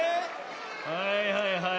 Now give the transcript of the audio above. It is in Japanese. はいはいはい。